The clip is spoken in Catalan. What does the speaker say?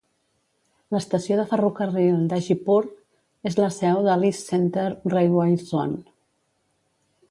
L'estació de ferrocarril d'Hajipur és la seu de l'East Central Railway Zone.